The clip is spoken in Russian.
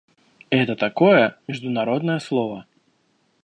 – Это такое международное слово.